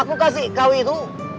aku kasih kau itu